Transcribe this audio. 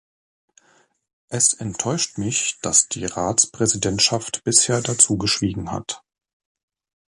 Es enttäuscht mich, dass die Ratspräsidentschaft bisher dazu geschwiegen hat.